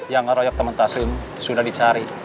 yang ngeroyok teman taslim sudah dicari